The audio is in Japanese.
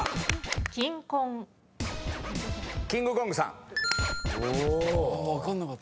キングコングさん。